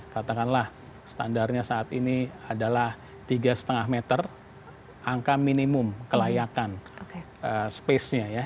katakanlah standarnya saat ini adalah tiga lima meter angka minimum kelayakan space nya ya